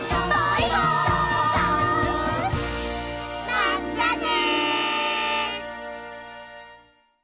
まったね！